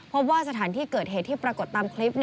พบว่าสถานที่เกิดเหตุที่ปรากฏตามคลิป